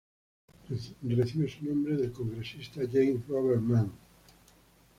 Recibe su nombre del congresista James Robert Mann.